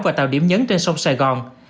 và tạo điểm nhấn trên sông sài gòn